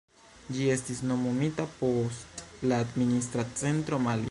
Ĝi estis nomumita post la administra centro Mali.